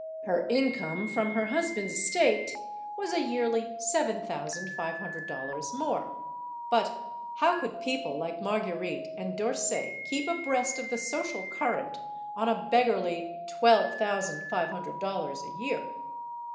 Her income from her husband's estate was a yearly severa thousand five hundred dollars more. But how couU people like Marguerite and D'Orsay keep abreast of the social cur rent on a beggarly twelve thousand five hundred dol lars a year?